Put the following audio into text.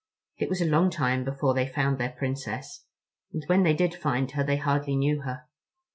It was a long time before they found their Princess, and when they did find her they hardly knew her.